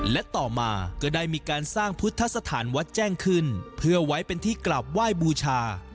และต่อมาก็ได้มีการสร้างพุทธสถานวัดแจ้งขึ้นเพื่อไว้เป็นที่กลับไหว้บูชา